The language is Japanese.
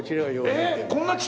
えっ！？